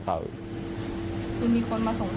แค่ว่าผมเป็น